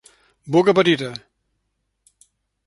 Boca petita.